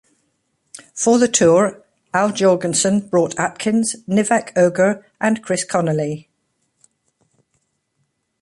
For the tour, Al Jourgensen brought Atkins, Nivek Ogre and Chris Connelly.